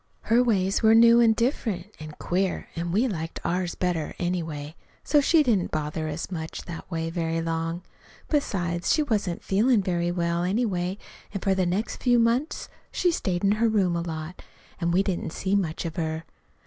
Her ways were new an' different an' queer, an' we liked ours better, anyway. So she didn't bother us much that way very long. Besides, she wasn't feelin' very well, anyway, an' for the next few months she stayed in her room a lot, an' we didn't see much of her.